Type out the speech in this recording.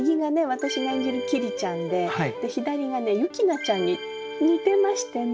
私が演じる桐ちゃんで左が雪菜ちゃんに似てましてね。